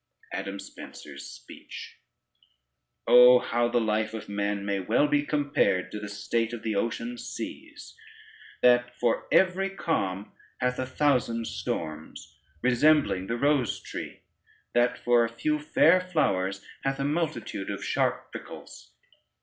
] ADAM SPENCER'S SPEECH "Oh, how the life of man may well be compared to the state of the ocean seas, that for every calm hath a thousand storms, resembling the rose tree, that for a few fair flowers hath a multitude of sharp prickles!